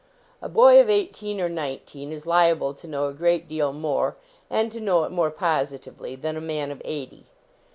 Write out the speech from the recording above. A boy of eigh teen or nineteen is liable to know a great deal more, and to know it more positively, than a man of eighty.